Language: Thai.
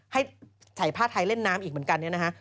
ให้ใส่ผ้าไทยเล่นน้ำอีกเหมือนกันเนี่ยนะฮะ